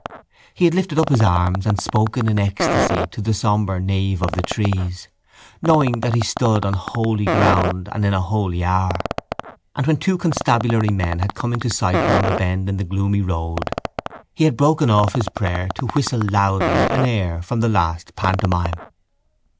He had lifted up his arms and spoken in ecstasy to the sombre nave of the trees, knowing that he stood on holy ground and in a holy hour. And when two constabulary men had come into sight round a bend in the gloomy road he had broken off his prayer to whistle loudly an air from the last pantomime.